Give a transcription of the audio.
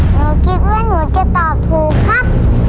หนูคิดว่าหนูจะตอบถูกครับ